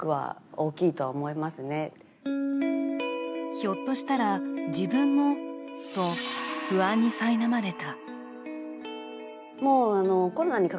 ひょっとしたら自分もと不安にさいなまれた。